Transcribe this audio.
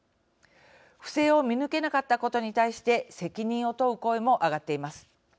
不正を見抜けなかったことに対して責任を問う声も上がっています。